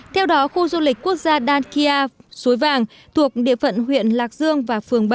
theo đó khu du lịch quốc gia đan kia suối vàng thuộc địa phận huyện lạc dương và phường bảy